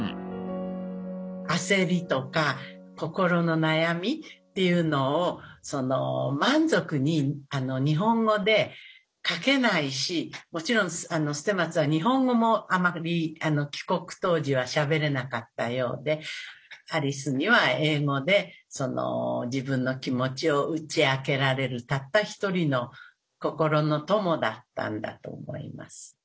焦りとか心の悩みっていうのを満足に日本語で書けないしもちろん捨松は日本語もあまり帰国当時はしゃべれなかったようでアリスには英語で自分の気持ちを打ち明けられるたった一人の心の友だったんだと思います。